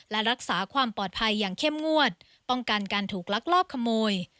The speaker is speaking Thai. และรักษาความปลอดภัยอย่างเข้มงวดป้องกันการถูกลักลอบขโมย